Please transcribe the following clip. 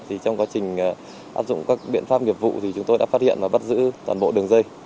thì trong quá trình áp dụng các biện pháp nghiệp vụ thì chúng tôi đã phát hiện và bắt giữ toàn bộ đường dây